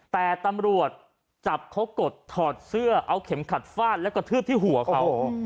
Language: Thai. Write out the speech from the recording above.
แต่ตำรวจจับเขากดถอดเสื้อเอาเข็มขัดฟาดและกระทืบที่หัวเขา